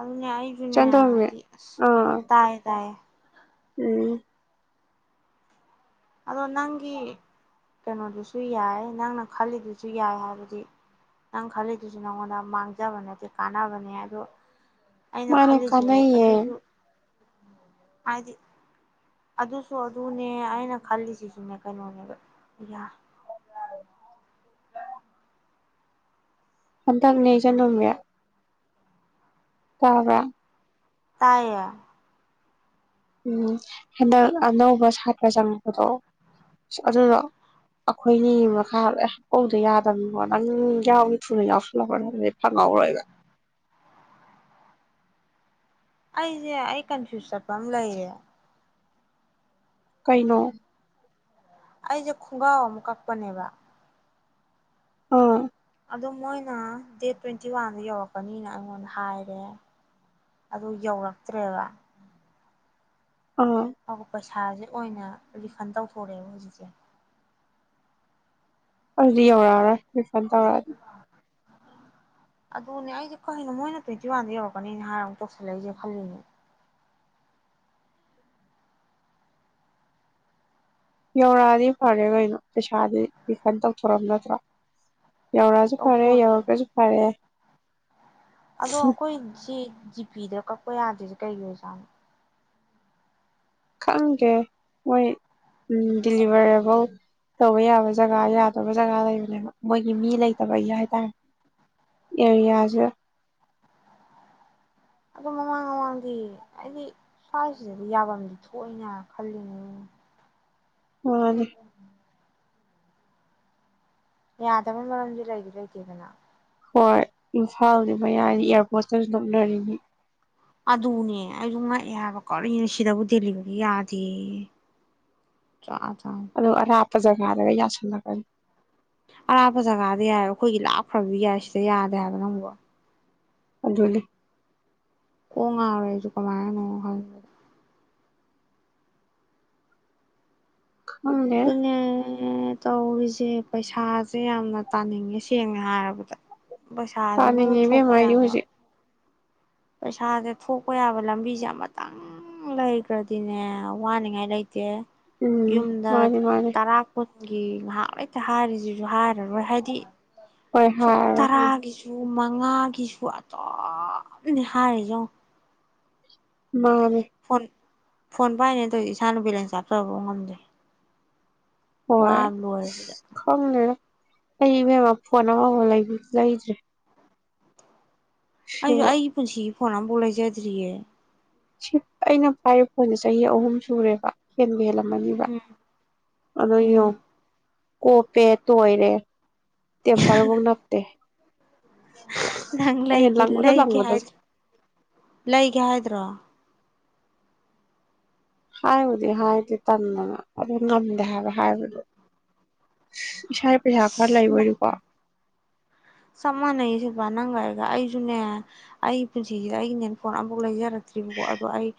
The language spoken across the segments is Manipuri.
ꯑꯗꯨꯅꯦ ꯑꯩꯁꯨꯅꯦ ꯆꯟꯗꯣꯃꯤ ꯍꯥꯏꯗꯤ ꯑꯁ ꯑꯥ ꯇꯥꯏꯌꯦ ꯇꯥꯏꯌꯦ ꯎꯝ ꯑꯗꯣ ꯅꯪꯒꯤ ꯀꯩꯅꯣꯗꯨꯁꯨ ꯌꯥꯏ ꯅꯪꯅ ꯈꯜꯂꯤꯗꯨꯁꯨ ꯌꯥꯏ ꯍꯥꯏꯕꯗꯤ ꯅꯪ ꯈꯜꯂꯤꯗꯨꯁꯨ ꯅꯪꯉꯣꯟꯗ ꯃꯥꯡꯖꯕ ꯅꯠꯇꯦ ꯀꯥꯟꯅꯕꯅꯦ ꯑꯗꯣ ꯑꯩꯅ ꯃꯥꯅ ꯈꯜꯂꯤꯁꯤꯁꯨ ꯀꯥꯟꯅꯩꯌꯦ ꯑꯗꯨꯁꯨ ꯍꯥꯏꯗꯤ ꯑꯗꯨꯁꯨ ꯑꯗꯨꯅꯦ ꯑꯩꯅ ꯈꯜꯂꯤꯁꯤꯁꯨꯅꯦ ꯀꯩꯅꯣꯅꯦꯕ ꯌꯥ ꯍꯟꯇꯛꯅꯦ ꯆꯅꯝꯦ ꯇꯥꯕ ꯇꯥꯌꯦ ꯎꯝ ꯍꯟꯗꯛ ꯑꯅꯧꯕ ꯁꯥꯇ꯭ꯔ ꯆꯪꯕꯗꯣ ꯑꯗꯨꯗꯣ ꯑꯩꯈꯣꯏꯅꯤ ꯃꯈꯥꯍꯧꯗ ꯌꯥꯗꯕꯣ ꯅꯪ ꯌꯥꯎꯏ ꯊꯨꯅ ꯌꯥꯎꯁꯜꯂꯕ꯭ꯔꯣ ꯍꯥꯏꯕꯗꯤ ꯐꯪꯍꯧꯔꯣꯏꯕ ꯑꯩꯁꯦ ꯑꯩ ꯀꯟꯐ꯭ꯌꯨꯁ ꯆꯠꯄ ꯑꯃ ꯂꯩꯔꯦ ꯀꯩꯅꯣ ꯑꯩꯁꯦ ꯈꯣꯡꯒ꯭ꯔꯥꯎ ꯑꯃ ꯀꯛꯄꯅꯦꯕ ꯑ ꯑꯗꯨ ꯃꯣꯏꯅ ꯗꯦꯠ ꯇ꯭ꯋꯦꯟꯇꯤ ꯋꯥꯟꯗ ꯌꯧꯔꯛꯀꯅꯤꯅ ꯑꯩꯉꯣꯟꯗ ꯍꯥꯏꯔꯦ ꯑꯗꯨ ꯌꯧꯔꯛꯇ꯭ꯔꯦꯕ ꯑ ꯑꯧ ꯄꯩꯁꯥꯁꯦ ꯑꯣꯏꯅ ꯔꯤꯐꯟ ꯇꯧꯊꯣꯔꯛꯑꯦꯕ ꯍꯧꯖꯤꯛꯁꯦ ꯑꯗꯤ ꯌꯧꯔꯛ ꯑꯥꯔꯣꯏ ꯐꯗꯋꯥ ꯑꯗꯨꯅꯦ ꯑꯩꯁꯦ ꯀꯅꯣ ꯃꯣꯏꯅ ꯇ꯭ꯋꯦꯟꯇꯤ ꯋꯥꯟꯗ ꯌꯧꯔꯛꯀꯅꯤꯅ ꯍꯥꯏꯔ ꯑꯃꯨꯛ ꯇꯧꯁꯜꯂꯛꯏꯁꯦ ꯈꯜꯂꯤꯅꯦ ꯌꯧꯔꯛꯑꯗꯤ ꯐꯔꯦ ꯀꯩꯅꯣ ꯄꯩꯁꯥꯗꯤ ꯔꯤꯐꯟ ꯇꯧꯊꯣꯔꯝ ꯅꯠꯇ꯭ꯔꯣ ꯌꯧꯔꯛꯑꯁꯨ ꯐꯔꯦ ꯇꯧꯊꯣꯔꯛꯑꯦ ꯌꯧꯔꯒꯁꯨ ꯐꯔꯦ ꯑꯗꯣ ꯑꯩꯈꯣꯏꯁꯤ ꯖꯤꯄꯤꯗ ꯀꯛꯄ ꯌꯥꯗꯣꯏꯔꯤꯁꯦ ꯀꯩꯒꯤ ꯑꯣꯏꯖꯥꯠꯅꯣ ꯈꯪꯒꯦ ꯃꯣꯏ ꯎ ꯗꯤꯂꯤꯚꯔꯦꯕꯜ ꯇꯧꯕ ꯌꯥꯕ ꯖꯒꯥ ꯌꯥꯗꯕ ꯖꯒꯥ ꯂꯩꯕꯅꯦꯕ ꯃꯣꯏꯒꯤ ꯃꯤ ꯂꯩꯇꯕꯒꯤ ꯍꯥꯏꯇꯥꯔꯦ ꯑꯦꯔꯤꯌꯥꯁꯦ ꯑꯗ ꯃꯃꯥꯡ ꯃꯃꯥꯡꯗꯤ ꯑꯩꯗꯤ ꯁ꯭ꯋꯥꯏꯁꯤꯗꯗꯤ ꯌꯥꯐꯝꯗꯤ ꯊꯣꯛꯏꯅ ꯈꯜꯂꯤꯅꯦ ꯍꯅꯤ ꯌꯥꯗ ꯃꯔꯝꯗꯤ ꯂꯩ ꯂꯩꯇꯦꯗꯅꯥ ꯍꯣꯏ ꯏꯝꯐꯥꯜꯗꯤ ꯃꯌꯥꯗꯤ ꯏꯌꯥꯔꯄꯣꯔꯠꯇꯁꯨ ꯅꯣꯛꯅꯔꯤꯅꯤ ꯑꯗꯨꯅꯦ ꯑꯩꯁꯨ ꯉꯛꯑꯦ ꯍꯥꯏꯕ ꯀꯧꯅꯦ ꯁꯤꯗꯕꯨ ꯗꯦꯜꯂꯤꯕꯗꯤ ꯌꯥꯗꯦ ꯖꯥꯠꯅꯤ ꯑꯗꯨ ꯑꯔꯥꯞꯄ ꯖꯒꯥꯗꯒ ꯌꯥꯁꯜꯂꯛꯀꯅꯤ ꯑꯔꯥꯞꯄ ꯖꯒꯥꯗ ꯌꯥꯏꯕ ꯑꯩꯈꯣꯏꯒꯤ ꯂꯥꯞꯈ꯭ꯔꯕ ꯌꯥꯏ ꯁꯤꯗ ꯌꯥꯗꯦ ꯍꯥꯏꯕ ꯅꯪꯕꯨ ꯑꯗꯨꯗꯂ ꯀ ꯉꯔꯦꯁꯨ ꯀꯃꯥꯏꯅ ꯍ ꯈꯪꯗꯦ ꯄꯨꯅ ꯇꯧꯔꯤꯁꯦ ꯄꯩꯁꯥꯁꯦ ꯌꯥꯝꯅ ꯇꯥꯅꯤꯡꯉꯦ ꯁꯦꯡꯅ ꯍꯥꯏꯔꯕꯗ ꯄꯩꯁꯥꯁꯤꯕꯨ ꯇꯥꯅꯤꯡꯉꯦ ꯏꯕꯦꯝꯃ ꯊꯣꯛꯄ ꯑꯩꯗꯤ ꯌꯥꯕ ꯍꯧꯖꯤꯛ ꯄꯩꯁꯥꯁꯦ ꯊꯣꯛꯄ ꯌꯥꯕ ꯂꯝꯕꯤꯁꯦ ꯑꯃꯇꯪ ꯂꯩꯈ꯭ꯔꯗꯤꯅꯦ ꯋꯥꯅꯤꯉꯥꯏ ꯂꯩꯇꯦ ꯎꯝ ꯌꯨꯝꯗ ꯃꯥꯅꯤ ꯃꯥꯅꯤ ꯇꯔꯥ ꯀꯨꯟꯒꯤ ꯉꯍꯥꯛ ꯍꯦꯛꯇ ꯍꯥꯏꯔꯤꯁꯤꯁꯨ ꯍꯥꯔꯔꯣꯏ ꯍꯥꯏꯗꯤ ꯍꯣꯏ ꯁ ꯍꯥꯏꯔꯣ ꯇꯔꯥꯒ ꯨ ꯃꯉꯥꯒꯤꯁꯨ ꯑꯇꯣꯞꯅꯦ ꯍꯥꯏꯔꯤ ꯌꯦ ꯃꯥꯅꯦꯦ ꯐꯣꯟ ꯄꯥꯏꯅꯦ ꯑꯗꯨꯧꯗꯤ ꯏꯁꯥꯅ ꯕꯤꯂꯦꯟꯁ ꯆꯥꯞꯇ꯭ꯔꯕꯥꯎ ꯉꯝꯗ꯭ꯔꯦ ꯍꯣꯏ ꯋꯥꯕ ꯂꯣꯏꯔꯦ ꯁꯤꯗ ꯈꯪꯅꯦ ꯑꯩ ꯃꯦꯝꯃ ꯐꯣꯟ ꯑꯃꯥꯎ ꯂꯩ ꯂꯩꯗ꯭ꯔꯦ ꯑ ꯑ ꯄꯨꯁꯤ ꯐꯣꯟꯣꯟ ꯣꯂꯥꯏꯖꯗ꯭ꯔꯤꯌꯦ ꯁꯤ ꯑꯩꯅ ꯄꯥꯏꯔꯤꯕ ꯐꯣꯟꯁꯦ ꯆꯍꯤ ꯑꯍꯨꯝ ꯁꯨꯔꯦꯕ ꯍꯦꯟꯕ ꯍꯦꯜꯂꯛꯄ ꯎꯝ ꯑꯗꯣ ꯌꯦꯣ ꯎꯝ ꯀꯣꯄꯦ ꯇꯣꯏꯔꯦ ꯇꯦꯝ ꯄꯔꯕꯨꯣꯛ ꯅꯅꯥꯞꯇ ꯅꯪ ꯂꯩꯒꯦ ꯂꯪꯕꯗ ꯂꯩꯒꯦ ꯂꯪꯕꯗ ꯍꯥꯏꯣ ꯂꯩꯒꯦ ꯍꯥꯏꯗ꯭ꯔꯣ ꯍꯥꯏꯕꯨꯗꯤ ꯍꯥꯏꯗꯤ ꯇꯟꯗꯅ ꯑꯗꯨ ꯉꯝꯗꯦ ꯍꯥꯏꯕ ꯍꯥꯏꯕꯗꯨ ꯏꯁꯥꯒꯤ ꯄꯩꯁꯥ ꯈꯔ ꯑꯁ ꯂꯩꯕꯔꯤꯀꯣ ꯆꯞ ꯃꯥꯟꯅꯩ ꯁꯤꯜꯄ ꯅꯪꯒꯥꯏꯒ ꯑꯩꯁꯨꯅꯦ ꯑꯩꯒꯤ ꯄꯨꯟꯁꯤꯁꯤꯗ ꯑꯩꯒꯤꯅꯦ ꯐꯣꯟ ꯑꯃꯨꯛ ꯂꯩꯖꯔꯒꯦ ꯠꯇ꯭ꯔꯤꯕꯀꯣ ꯑꯗꯣ ꯑꯩ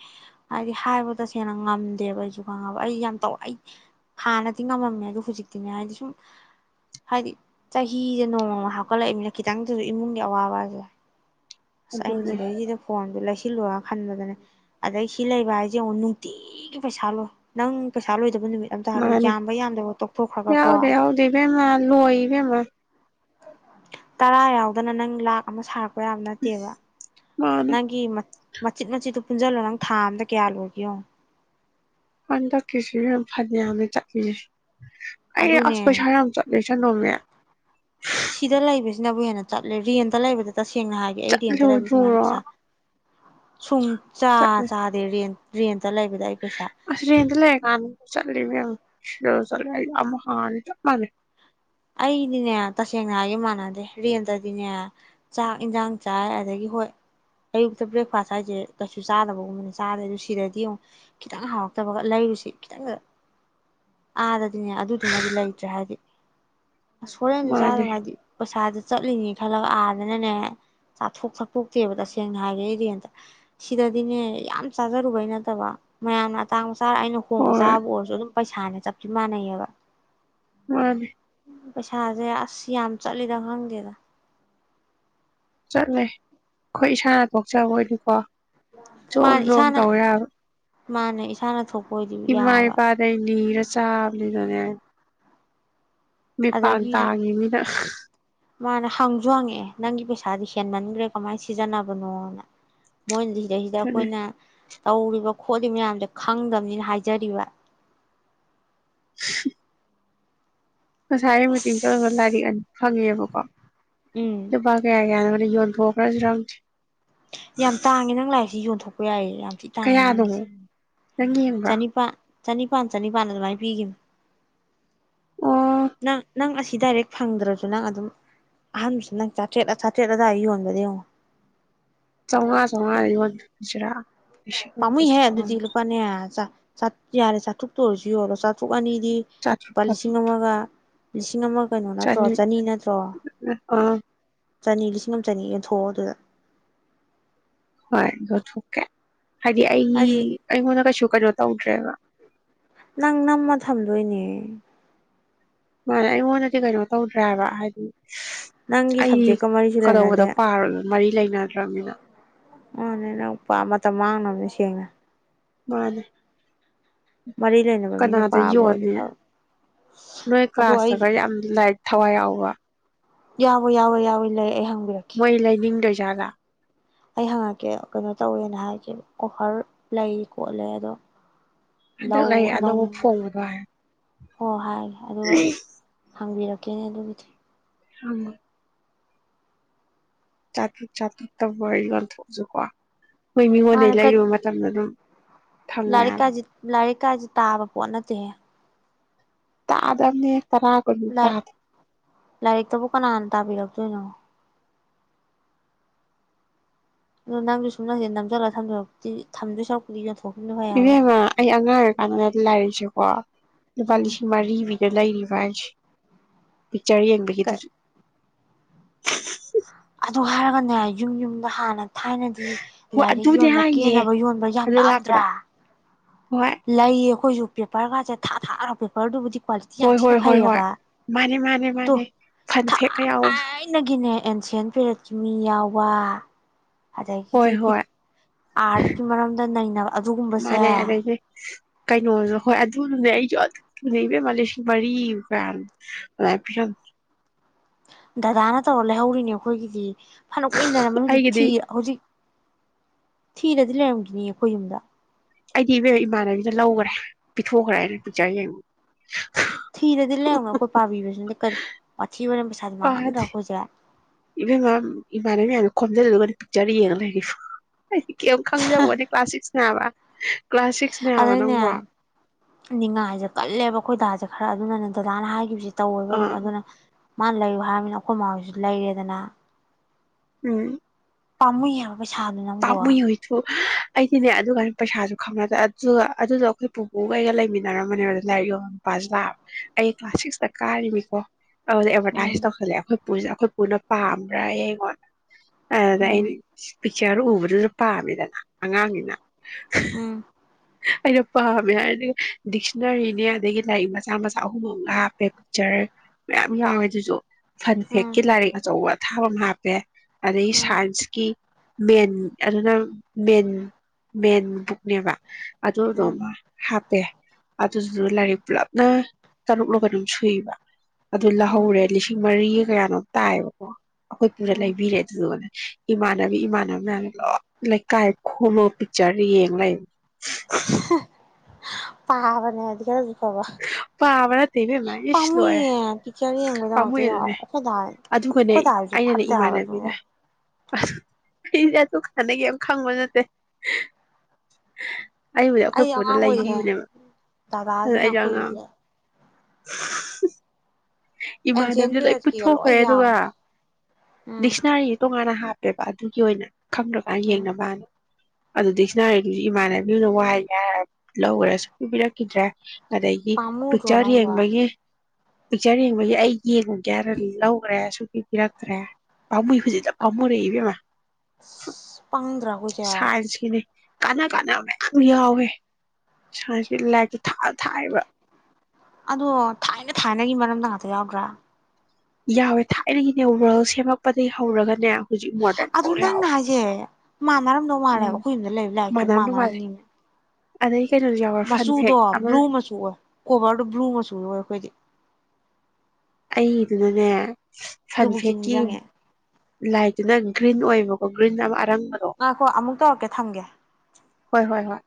ꯍꯥꯏꯗꯤ ꯍꯥꯏꯕ ꯇꯁꯦꯡꯅ ꯉꯝꯗꯦꯕ ꯑꯩꯁꯨ ꯈꯪꯉꯕ ꯑꯩ ꯌꯥꯝ ꯇꯧꯔ ꯑꯩ ꯍꯥꯟꯅꯗꯤ ꯉꯝꯃꯝꯃꯦ ꯑꯗꯨ ꯍꯧꯖꯤꯛꯇꯤꯅꯦ ꯍꯥꯏꯗꯤ ꯁꯨꯝ ꯍꯥꯏꯗꯤ ꯆꯍꯤꯁꯦ ꯅꯣꯡꯃꯄ ꯍꯧꯀꯠꯂꯛꯏꯕꯅ ꯈꯤꯇꯪꯗꯁꯨ ꯏꯃꯨꯡꯒꯤ ꯑꯋꯥꯕꯁꯦ ꯑꯁ ꯑꯩꯅ ꯑꯗꯨꯅꯦ ꯁꯤꯗꯁꯤꯗ ꯐꯣꯟꯗꯨ ꯂꯩꯁꯤ ꯁꯤꯜꯂꯣꯏꯔ ꯈꯟꯕꯗꯅꯦ ꯑꯗꯩ ꯁꯤ ꯂꯩꯕ ꯍꯥꯏꯁꯦ ꯌꯦꯉꯛ ꯅꯨꯡꯇꯤꯒꯤ ꯄꯩꯁꯥ ꯂꯣꯏ ꯅꯪ ꯄꯩꯁꯥ ꯂꯣꯏ ꯃꯥꯅꯦ ꯇꯣꯛꯊꯣꯛꯈ꯭ꯔꯒꯀꯣ ꯌꯥꯎꯗ ꯌꯥꯎꯗ ꯐꯦꯃ ꯂꯏ ꯐꯦꯃ ꯇꯔꯥ ꯌꯥꯎꯗꯅ ꯅꯪ ꯂꯥꯛ ꯑꯃ ꯁꯥꯔꯛꯄ ꯌꯥꯝ ꯅꯠꯇꯦꯕ ꯃꯥꯅꯦ ꯅꯪꯒꯤ ꯃ ꯃꯆꯤꯠ ꯃꯆꯤꯠꯇꯨ ꯄꯨꯟꯁꯤꯜꯂꯣ ꯅꯪ ꯊꯥ ꯑꯝꯗ ꯀꯌꯥ ꯂꯣꯏꯒꯦꯣ ꯍꯟꯗꯛꯀꯤꯁꯨ ꯌꯥꯝ ꯐꯅꯌꯥꯝꯅ ꯆꯠꯂꯤꯁꯦ ꯑꯩꯅꯦ ꯑꯗꯨꯅꯦ ꯑꯁꯄꯁꯔꯝ ꯆꯠꯁ ꯅ ꯃꯌꯥ ꯁꯤꯤꯗꯥꯥ ꯂꯥꯏꯏꯕꯁꯤꯅ ꯕꯨꯍꯦꯅ ꯆꯠꯂꯦ ꯔꯦꯟꯗ ꯂꯩꯕꯗ ꯇꯁꯦꯡꯅ ꯍꯥꯏꯒꯦ ꯑꯩ ꯔꯦꯟꯗ ꯂꯩꯕ ꯁꯨꯃꯅ ꯆꯠꯂꯨꯗ꯭ꯔꯣ ꯄꯩꯁꯥ ꯁꯨꯡ ꯆꯥ ꯆꯠꯂꯦ ꯆꯥꯗꯦ ꯔꯦꯟ ꯔꯦꯠ ꯇ ꯂꯩꯕꯗ ꯑꯩ ꯄꯩꯁꯥ ꯁ ꯑꯥꯟꯃꯅꯦ ꯑꯩꯗꯤꯅꯦ ꯇꯁꯦꯡꯅ ꯍꯥꯏꯒ ꯃꯥꯟꯅꯗꯦ ꯔꯦꯟꯗꯗꯤꯅꯦ ꯆꯥꯛ ꯏꯟꯁꯥꯡ ꯆꯥꯏ ꯑꯗꯒꯤ ꯍꯣꯏ ꯑꯌꯨꯛꯇ ꯕ꯭ꯔꯦꯛꯐꯥꯁ ꯍꯥꯏꯁꯦ ꯀꯩꯁꯨ ꯆꯥꯗꯕꯒꯨꯝꯕꯅꯦ ꯆꯥꯗꯦ ꯑꯗꯨ ꯁꯤꯗꯗꯤ ꯑꯃꯨꯛ ꯈꯤꯇꯪ ꯍꯥꯎꯔꯛꯇꯕꯒ ꯂꯩꯔꯨꯁꯤ ꯈꯤꯇꯪ ꯑꯥꯗꯗꯤꯅꯦ ꯑꯗꯨꯗꯨꯃꯗꯤ ꯂꯩꯇ꯭ꯔꯦ ꯍꯥꯏꯕꯗꯤ ꯑꯁ ꯍꯣꯔꯦꯟꯅꯗꯤ ꯃꯥꯅꯦ ꯆꯥꯗꯕ ꯍꯥꯏꯗꯤ ꯄꯩꯁꯥꯗ ꯆꯠꯂꯤꯅꯤ ꯈꯜꯂꯒ ꯑꯥꯗꯅꯅꯦ ꯆꯥꯊꯣꯛ ꯊꯛꯄꯣꯛꯇꯦꯕ ꯇꯁꯦꯡꯅ ꯍꯥꯏꯔꯩꯗꯤ ꯑꯇ ꯁꯤꯗꯗꯤꯅꯦ ꯌꯥꯝ ꯆꯥꯖꯔꯨꯕꯩ ꯅꯠꯇꯕ ꯃꯌꯥꯝꯅ ꯑꯇꯥꯡꯕ ꯆꯥꯔ ꯑꯩꯅ ꯍꯣꯡꯕ ꯍꯣꯏ ꯆꯥꯕꯕꯨ ꯑꯣꯏꯔꯁꯨ ꯑꯗꯨꯝ ꯄꯩꯁꯥꯅ ꯆꯞꯁꯤ ꯃꯥꯟꯅꯩꯌꯦꯕ ꯎ ꯄꯩꯁꯥꯁꯦ ꯑꯁ ꯌꯥꯝ ꯆꯠꯂꯤꯗ ꯈꯪꯗꯦꯗ ꯆꯠꯂꯦ ꯑꯩꯈꯣꯏ ꯏꯁꯥꯅ ꯊꯣꯛꯆꯕꯣꯏꯅꯤꯀꯣ ꯆꯣꯟ ꯆꯣꯟ ꯇꯧꯋꯦꯔ ꯃꯥꯅꯦ ꯏꯁꯥꯅ ꯊꯣꯛ ꯏꯃꯥꯏ ꯄꯥꯗꯅꯤ ꯔ ꯆꯥꯕ ꯂꯤꯗꯣꯅꯦ ꯃꯤ ꯄꯥꯡ ꯑꯗꯒꯤ ꯇꯥꯒꯤ ꯃꯤꯅ [unintelligible] ꯃꯥꯅ ꯍꯪꯁꯨ ꯍꯪꯉꯛꯑꯦ ꯅꯪꯒꯤ ꯄꯩꯁꯥꯗꯤ ꯍꯦꯟꯃꯟꯈ꯭ꯔꯦ ꯀꯃꯥꯏꯅ ꯁꯤꯖꯟꯅꯕꯅꯣꯅ ꯃꯣꯏ ꯁꯤꯗꯩꯁꯤꯗ ꯑꯗꯨꯅꯦ ꯑꯩꯈꯣꯏꯅ ꯇꯧꯔꯤꯕ ꯈꯣꯠꯂꯤꯕ ꯃꯌꯥꯝꯁꯣ ꯈꯪꯗꯕꯅꯤꯅ ꯍꯥꯏꯖꯔꯤꯕ [unintelligible] ꯁꯥꯥꯏ ꯃ ꯇꯤꯟ ꯆ ꯁꯔ ꯑꯁ ꯂꯥꯔꯒꯅꯤ ꯐꯪꯕꯀꯣ ꯎꯝ ꯑꯗꯨꯄꯥꯒꯦ ꯍꯥꯏꯒꯦ ꯌꯣꯟꯕꯕꯔꯖ ꯔꯝ ꯌꯥꯝ ꯇꯥꯡꯉꯦ ꯅꯪ ꯂꯥꯏꯔꯤꯁꯤ ꯌꯣꯟꯊꯣꯛꯄ ꯀ ꯌꯥꯏ ꯌꯥꯝ ꯊꯤ ꯇꯥꯡꯉꯦ ꯅꯪꯒꯤꯁꯦ ꯆꯉꯤꯟꯕ꯭ꯔꯥ ꯆꯅꯤꯄꯥꯟ ꯆꯅꯤꯄꯥꯟ ꯆꯅꯤꯄꯥꯟ ꯑꯗꯨꯃꯥꯏꯅ ꯄꯤꯈꯤꯕ ꯑꯣ ꯅ ꯅꯪ ꯑꯁꯤ ꯗꯥꯏꯔꯦꯛ ꯐꯪꯗ꯭ꯔꯁꯨ ꯅꯪ ꯑꯗꯨꯝ ꯑꯍꯥꯟꯕꯁꯨ ꯅꯪ ꯆꯥꯇ꯭ꯔꯦꯠ ꯆꯥꯇ꯭ꯔꯦꯠ ꯑꯗꯨꯋꯥꯏ ꯌꯣꯟꯕ ꯌꯦꯡꯉꯣ ꯆꯪꯉꯥ ꯆꯉꯥ ꯨꯖꯔꯥ ꯄꯥꯝꯃꯨꯏꯍ ꯑꯗꯨꯗꯤ ꯂꯨꯄꯥꯅꯦ ꯆ ꯌꯥꯔꯦ ꯆꯥꯇꯨꯛꯇ ꯑꯣꯏꯔꯁꯨ ꯌꯣꯜꯂꯣ ꯆꯥꯊꯨꯛ ꯑꯅꯤ ꯆꯥꯇ꯭ꯔꯨꯛ ꯂꯨꯄꯥ ꯂꯤꯁꯤꯡ ꯆꯥꯇ꯭ꯔꯨꯛ ꯑꯃꯒ ꯂꯤꯁꯤꯡ ꯑꯃ ꯀꯩꯅꯣ ꯅꯠꯇ꯭ꯔꯣ ꯆꯅꯤ ꯅꯠꯇ꯭ꯔꯣꯕ ꯑꯥ ꯆꯅꯤ ꯂꯤꯁꯤꯡ ꯑꯃ ꯆꯅꯤ ꯌꯦꯟꯊꯣꯛꯑꯣ ꯑꯗꯨꯗ ꯍ ꯊꯣꯛꯀꯦ ꯍꯥꯏꯗꯤ ꯑꯩ ꯍꯥꯏꯗꯤ ꯑꯩ ꯍꯅ ꯀꯁꯨ ꯀ ꯎꯖ꯭ꯔꯦꯕ ꯅꯪ ꯅꯝꯃ ꯊꯝ ꯂꯣꯏꯅꯦ ꯃꯥꯅꯦ ꯑꯩꯉꯣꯟꯗꯗꯤ ꯀꯩꯅꯣ ꯇꯧꯗ꯭ꯔꯦꯕ ꯍꯥꯏꯗꯤ ꯅꯪꯒꯤ ꯑꯩ ꯁꯕꯖꯦꯛꯀ ꯃꯔꯤꯁꯨ ꯀꯗꯧꯕꯗꯣ ꯂꯩꯅꯗꯦ ꯄꯥꯔꯣꯏꯒ ꯃꯔꯤ ꯂꯩꯅꯗ꯭ꯔꯅꯤꯅ ꯃꯥꯅꯦ ꯅꯪ ꯃꯇꯝ ꯃꯥꯡꯅꯕꯅꯦ ꯁꯦꯡꯅ ꯃꯥꯅꯦ ꯃꯔꯤ ꯂꯩꯅꯕ ꯃꯤꯅ ꯀꯅꯥꯗ ꯄꯥꯕ ꯑꯣꯏꯗꯤ ꯌꯣꯟꯅꯤ ꯐꯕ ꯅꯣꯏ ꯑꯗꯣ ꯑꯩ ꯀ꯭ꯂꯥꯁꯇꯒ ꯌꯥꯝ ꯂꯥꯏ ꯊꯋꯥꯏ ꯌꯥꯎꯕ ꯌꯥꯎꯋꯣ ꯌꯥꯎꯋꯣ ꯌꯥꯎꯋ ꯏ ꯂꯩ ꯍꯪꯕꯤꯔꯛꯀꯦ ꯃꯣꯏ ꯂꯩꯥꯏ ꯅꯤꯡꯗ ꯖꯒꯥ ꯑꯩ ꯍꯪꯉꯛꯀꯦ ꯀꯩꯅꯣ ꯇꯧꯋꯦꯅ ꯍꯥꯏꯒꯦ ꯑꯣꯐꯔ ꯂꯩ ꯈꯣꯠꯂꯦ ꯑꯗꯣ ꯍꯟꯗꯛ ꯂꯩꯔꯤꯛ ꯑꯅꯧꯕ ꯂꯧꯅꯤꯡ ꯐꯣꯡꯕꯗꯣ ꯍꯣ ꯍꯥꯏꯒꯦ ꯑꯗꯨꯒ ꯍꯥꯏ ꯍꯪꯕꯤꯔꯛ ꯀꯅꯦ ꯑꯗꯨ ꯑ ꯆꯇ꯭ꯔꯛ ꯆꯇ꯭ꯔ ꯇ ꯋꯥꯔꯤ ꯋꯥꯔꯤꯒꯣꯟ ꯊꯖꯨꯀꯥ ꯑꯩꯈꯣꯏ ꯃꯤꯉꯣꯟꯗꯒꯤꯩ ꯂꯩꯔꯨꯕ ꯃꯇꯝꯗ ꯑꯗꯨꯝ ꯐꯪꯉꯣꯏ ꯂꯔꯀꯥ ꯍꯥꯏꯕ ꯂ ꯀ ꯀꯥꯏꯁꯦ ꯇꯥꯕ ꯄꯣꯠ ꯅꯠꯇꯦ ꯇꯥ ꯇꯔꯅꯤ ꯛ ꯂꯥꯏꯔꯤꯛꯇꯕꯨ ꯀꯅꯥꯅ ꯇꯥꯕꯤꯔꯛꯇꯣꯏꯅꯣ ꯑꯗꯣ ꯅꯪꯁꯨ ꯁꯨꯝ ꯅꯪꯁꯦ ꯅꯝꯖꯜꯂꯒ ꯊꯝꯖꯂꯄꯗꯤ ꯊꯝꯗꯣꯏ ꯁꯥꯎꯄꯨꯗꯤ ꯌꯣꯟꯊꯣꯛ ꯏꯕꯦꯝꯃ ꯑꯩ ꯑꯉꯥꯡ ꯑꯣꯏꯔꯀꯥꯟꯗꯅꯦꯗ ꯂꯥꯏꯔꯤꯁꯨꯦ ꯋꯥ ꯂꯨꯄꯥ ꯎꯝ ꯂꯤꯁꯤꯡ ꯃꯔꯤꯔꯤꯕꯒ ꯂꯩꯔꯤꯕ [unintelligible] ꯆꯔ ꯌꯦꯡꯕꯒꯤ ꯑꯗꯨꯁꯨ [inaudible] ꯑꯗꯨ ꯍꯥꯏꯔꯒꯅꯦ ꯌꯨꯝ ꯌꯨꯝꯗ ꯍꯥꯟꯅ ꯊꯥꯏꯅꯗꯤ ꯍꯣꯏ ꯂꯥꯏꯔꯤꯛ ꯑꯗꯨꯅꯦ ꯌꯣꯟꯕ ꯍꯥꯏꯁꯦ ꯀꯦꯅꯕ ꯌꯣꯟꯕ ꯌꯥꯝ ꯑꯗꯨ ꯂꯥꯛꯄꯗ ꯂꯥꯛꯑꯝꯗ꯭ꯔꯥ ꯍꯣꯏ ꯂꯩꯌꯦ ꯑꯩꯈꯣꯏꯁꯨ ꯄꯦꯄꯔꯒꯥꯁꯦ ꯊꯥ ꯊꯥꯑꯔꯒ ꯄꯦꯄꯔꯗꯨꯕꯨꯗꯤ ꯀ꯭ꯋꯥꯂꯤꯇꯤ ꯌꯥꯝ ꯍꯣꯏ ꯍꯣꯏ ꯊꯤꯅ ꯍꯣꯏ ꯍꯣꯏ ꯐꯩꯌꯦꯕ ꯃꯥꯅꯦ ꯃꯥꯅꯦ ꯇꯣ ꯃꯥꯅꯦ ꯐꯟ ꯐꯦꯛ ꯀꯌꯥ ꯑꯦꯟꯁꯤꯌꯦꯟ ꯄꯦꯔꯠꯀꯤ ꯃꯤ ꯌꯥꯎꯕ ꯍꯣꯏ ꯑꯗꯒꯤꯗꯤ ꯍꯣꯏ ꯑꯥꯔꯠꯀꯤ ꯃꯔꯝꯗ ꯅꯩꯅꯕ ꯑꯗꯨꯒꯨꯝꯕꯁꯦ ꯀꯩꯅꯣ ꯍꯣꯏ ꯑꯗꯨꯅꯅꯦ ꯑꯩꯁꯨ ꯑꯗꯨꯅꯦ ꯏꯕꯦꯝꯃ ꯂꯤꯁꯤꯡ ꯃꯔꯤ ꯐꯪ ꯗꯗꯥꯅ ꯇꯧꯔ ꯂꯩꯍꯧꯔꯤꯅꯦ ꯑꯩꯈꯣꯏꯒꯤꯗꯤ ꯐꯅ ꯀꯏꯅꯔꯝꯝꯕꯅꯤ ꯍꯧꯖꯤꯛ ꯑꯩꯒꯤꯗꯤ ꯊꯤ ꯍꯧꯖꯤꯛ ꯊꯤꯔꯗꯤ ꯂꯩꯔꯝꯈꯤꯅꯤ ꯑꯩꯈꯣꯏ ꯌꯨꯝꯗ ꯑꯩꯗꯤ ꯏꯕꯦꯝ ꯏꯃꯥꯟꯅꯕꯤꯗ ꯂꯧꯈ꯭ꯔꯦ ꯄꯤꯊꯣꯛꯈ꯭ꯔꯦ ꯍꯥꯏꯅ ꯄꯤꯖꯔꯤꯒꯦ ꯌꯦꯡꯉ ꯊꯤꯔꯗꯤ ꯂꯦꯅꯣꯏ ꯄꯥꯕꯤꯁꯅ ꯀ ꯊꯕꯔꯝ ꯄꯩꯁꯥꯗꯃꯅ ꯔꯈꯣꯖꯦ ꯏꯚꯦꯝ ꯃ ꯏꯃꯥꯟꯅꯕ ꯃꯌꯥꯝꯅ ꯈꯣꯝꯖꯤꯜꯂꯒ ꯄꯤꯛꯆꯔ ꯌꯦꯡ ꯂꯩ ꯑꯩꯗꯤ ꯀꯔꯤꯝ ꯈꯪꯖꯕꯣꯅꯦ ꯀ꯭ꯂꯥꯁ ꯁꯤꯛꯁ ꯅꯥꯕ ꯑꯗꯩꯅꯦ ꯅꯤꯡꯅꯤꯉꯥ ꯍꯥꯏꯁꯦ ꯀꯜꯂꯦꯕ ꯑꯩꯈꯣꯏꯗꯁꯦ ꯈꯔ ꯑꯗꯨꯅꯅꯦꯅ ꯗꯗꯥꯅ ꯍꯥꯏꯈꯤꯕꯁꯦ ꯇꯧꯋꯦꯕ ꯑꯗꯨꯝ ꯑꯗꯨꯅ ꯃꯥ ꯂꯩꯌꯨ ꯍꯥꯏꯃꯤꯅ ꯑꯩꯈꯣꯏ ꯃꯥꯣꯏꯁꯨ ꯂꯩꯔꯦꯗꯅ ꯎꯝ ꯄꯥꯝꯨ ꯌꯥꯝ ꯄꯩꯁꯥꯗꯨꯣ ꯅꯪꯕꯣ ꯄꯥꯝꯃꯨꯏ ꯍꯨꯏꯊꯨ ꯑꯩꯗꯤꯅꯦ ꯑꯗꯨ ꯀꯥꯟꯅ ꯄꯩꯁꯥꯁꯨ ꯈꯪꯅꯗ꯭ꯔꯦ ꯑꯗꯨꯒ ꯑꯗꯨꯗꯣ ꯑꯩꯈꯣꯏ ꯄꯨꯄꯨꯒꯩꯒ ꯂꯩꯃꯤꯟꯅꯔꯝꯕꯅꯦꯕ ꯂꯥꯏꯔꯤꯛ ꯌꯣꯟꯕ ꯅꯨꯄꯥꯁ ꯂꯥꯛꯑꯕ ꯑꯩ ꯀ꯭ꯂꯥꯁ ꯁꯤꯛꯁꯇ ꯀꯥꯔꯤꯅꯤꯀꯣ ꯑꯦꯚꯔꯇꯥꯏꯖ ꯎꯝ ꯇꯧꯍꯜꯂꯦ ꯑꯩꯈꯣꯏꯁ ꯑꯩꯈ ꯄꯨꯅ ꯄꯥ ꯑꯃꯔ ꯑꯩ ꯃꯅ ꯑ ꯎꯝ ꯑ ꯆꯤꯌꯥꯔ ꯎꯕꯗꯨꯁꯨ ꯄꯥꯝꯃꯤꯗꯅ ꯑꯉꯥꯡꯅꯤꯅ ꯎꯝ ꯑꯩꯅ ꯄꯥꯝꯃꯦ ꯍꯥꯏꯔꯗꯤ ꯗꯤꯛꯁꯅꯔꯤꯅꯦ ꯑꯗꯒꯤ ꯂꯥꯏꯔꯤꯛ ꯃꯆꯥ ꯃꯆꯥ ꯑꯍꯨꯝ ꯑꯃ ꯂ ꯍꯥꯞꯄꯦ ꯄꯤꯛꯆꯔ ꯃꯌꯥꯝ ꯌꯥꯎꯋꯦ ꯑꯗꯨꯁꯨ ꯐꯟ ꯎꯝ ꯐꯦꯛꯀꯤ ꯂꯥꯏꯔꯤꯛ ꯑꯆꯧꯕ ꯊꯥꯕ ꯑꯃ ꯍꯥꯞꯄꯦ ꯑ ꯑꯩ ꯎꯝ ꯁꯥꯏꯟꯁꯀꯤ ꯃꯦꯟ ꯑꯗꯨꯅ ꯃꯦꯟ ꯃꯦꯟ ꯕꯨꯛꯅꯦꯕ ꯑꯗ ꯎꯝ ꯔꯃꯥ ꯍꯥ ꯑꯦꯦ ꯑꯗꯨꯗꯨꯗ ꯂꯥꯏꯔꯤꯛ ꯄꯨꯂꯞꯅ ꯇꯔꯨꯛꯂꯒ ꯑꯗꯨꯝ ꯁꯨꯏꯕ ꯑꯗꯨ ꯎꯝ ꯂꯧꯍꯧꯔꯦ ꯂꯤꯁꯤꯡ ꯃꯔꯤ ꯀꯌꯥꯅꯣ ꯇꯥꯏꯌꯦꯕꯀꯣ ꯑꯩꯈꯣꯏ ꯄꯨꯔꯥ ꯎꯝ ꯂꯩꯕꯤꯔꯦ ꯑꯗꯨꯒ ꯏꯃꯥꯟꯅꯕꯤ ꯏꯃꯥꯟꯅꯕ ꯃꯌꯥꯝ ꯂ ꯂꯩꯀꯥꯏ ꯈꯣꯃꯒ ꯄꯤꯛꯆꯔ ꯌꯦꯡ ꯂꯩꯕ [unintelligible] ꯄꯥꯕꯅꯦ ꯑꯗꯨꯗꯤ ꯀ ꯐꯕ ꯄꯥꯕ ꯅꯠꯇꯦ ꯏꯕꯦꯝꯃ ꯏꯁ ꯂꯣꯏꯔꯦ ꯄꯥꯝꯃꯨꯌꯦ ꯄꯤꯛꯆꯔ ꯌꯦꯡꯕꯩꯗꯃꯛꯇ ꯄꯥꯝꯃꯨꯏ ꯌꯦꯡꯉꯑꯣ ꯑꯗꯨꯅꯦ ꯑꯩꯈꯣꯏꯗ ꯑꯗꯨꯒꯅꯦ ꯑꯩꯈꯣꯏꯗ ꯍꯥꯏꯔꯤꯁꯨ ꯐꯠꯇꯦ ꯍꯥꯏꯕꯗꯨꯅꯦ ꯑꯁ ꯑꯩꯁꯦ ꯑꯗꯨ ꯍꯥꯟꯅꯒ ꯌꯥꯝ ꯈꯪꯕ ꯅꯠꯇꯦ ꯑꯩꯕꯨꯗꯤ ꯑꯩꯈꯣꯏ ꯑꯩ ꯄꯣꯠꯇ ꯑꯉꯥꯡ ꯂꯩꯕꯤꯕꯅꯦꯕ ꯑꯗꯨ ꯍꯣꯏ [unintelligible] ꯑꯦꯟꯁꯤꯌꯟ ꯏꯃꯥꯟꯅꯕꯤꯗꯨ ꯂꯣꯏ ꯄꯤꯔꯠꯀꯤꯒ ꯂꯣꯏ ꯄꯨꯊꯣꯛꯈ꯭ꯔꯦ ꯑꯗꯨꯒ ꯌꯥꯎꯋꯦ ꯎꯝ ꯗꯤꯛꯁꯅꯥꯔꯤ ꯇꯣꯡꯉꯥꯟꯅ ꯍꯥꯞꯄꯦ ꯔꯦꯕ ꯑꯗꯨꯒꯤ ꯑꯣꯏꯅ ꯈꯪꯅꯕ ꯎꯝ ꯌꯦꯡꯅꯕꯥ ꯅ ꯑꯗꯨ ꯗꯤꯛꯁ꯭ꯅꯥꯔꯤꯗꯨꯁꯨ ꯏꯃꯥꯟꯅꯕꯤꯅ ꯋꯥꯏꯒꯦ ꯍꯥꯏꯔ ꯂꯧꯒ꯭ꯔꯦ ꯁꯨꯛꯄꯤ ꯄꯤꯔꯛꯈꯤꯗ꯭ꯔꯦ ꯑꯗꯒꯤ ꯄꯥꯝꯃꯨꯗ꯭ꯔꯣ ꯄꯤꯛꯆꯔ ꯅꯪꯕꯣ ꯌꯦꯡꯕꯒꯤ ꯑꯁ ꯄꯤꯛꯆꯔ ꯌꯦꯡꯕꯒꯤ ꯑꯩ ꯌꯦꯡꯉꯨꯒꯦ ꯍꯥꯏꯔ ꯑꯗꯨꯝ ꯂꯧꯒ꯭ꯔꯦ ꯁꯨꯛꯄꯤ ꯄꯤꯔꯛꯇ꯭ꯔꯦ ꯄꯥꯝꯃꯨꯏ ꯍꯨꯖꯤꯛꯇ ꯄꯥꯝꯃꯔꯛꯏ ꯏꯕꯦꯝꯃ ꯄꯪꯗ꯭ꯔꯥ ꯑꯩꯈꯣꯏꯁꯦ ꯁꯥꯏꯟꯁꯀꯤꯅꯦ ꯀꯥꯟꯅ ꯀꯥꯟꯅꯕ ꯃꯌꯥꯝ ꯌꯥꯎꯋꯦ ꯁꯥꯏꯟꯀꯤ ꯂꯥꯏꯔꯤꯛꯇꫭ ꯊꯥ ꯊꯥꯏꯕ ꯑꯗꯣ ꯊꯥꯏꯅ ꯊꯥꯏꯅꯒꯤ ꯃꯔꯝꯗ ꯉꯥꯇ ꯌꯥꯎꯗ꯭ꯔꯥ ꯌꯥꯎꯋꯦ ꯊꯥꯏꯅꯒꯤꯅꯦ ꯋꯥꯔꯜ ꯁꯦꯝꯃꯛꯄꯗꯩ ꯍꯧꯔꯒꯅꯦ ꯍꯧꯖꯤꯛ ꯃꯣꯗꯔꯟ ꯑꯗꯨ ꯐꯥꯎ ꯅꯪꯅ ꯌꯥꯎꯋꯦ ꯍꯥꯏꯁꯦ ꯃꯥꯟꯅꯔꯝꯗꯧ ꯃꯥꯜꯂꯦ ꯍꯥꯏꯕ ꯎꯝ ꯑꯩꯈꯣꯏ ꯌꯨꯝꯗ ꯂꯩꯕ ꯂꯥꯏꯔꯤꯛꯇꯨꯒ ꯃꯥꯟꯅꯕꯅ ꯃꯥꯜꯂꯦ ꯃꯥꯟꯅꯔꯝꯅꯤꯕꯨ ꯑꯗꯩ ꯀꯩꯅꯣꯁꯨ ꯌꯥꯎꯋꯦ ꯐꯟ ꯃꯆꯨꯗꯣ ꯐꯦꯛ ꯑꯃ ꯕ꯭ꯂꯨ ꯃꯆꯨ ꯑꯣꯏ ꯀꯣꯚꯔꯗꯣ ꯕ꯭ꯂꯨ ꯃꯆꯨ ꯑꯣꯏ ꯑꯩꯈꯣꯏꯗꯤ ꯑꯩꯗꯨꯅꯅꯦ ꯐꯟ ꯑꯗꯨꯕꯨꯛꯇꯤ ꯐꯦꯛꯀꯤ ꯅꯤꯡꯁꯤꯡꯉꯦ ꯂꯥꯏꯛ ꯁꯤꯅ ꯒ꯭ꯔꯤꯟ ꯑꯣꯏꯕꯀꯣ ꯒ꯭ꯔꯤꯟ ꯑꯃ ꯑꯔꯪ ꯉꯥꯈꯣ ꯑꯃꯨꯛ ꯇꯧꯔꯛꯀꯦ ꯊꯝꯒꯦ ꯍꯣꯏ ꯍꯣꯏ ꯍꯣꯏ